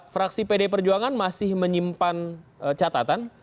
fraksi pd perjuangan masih menyimpan catatan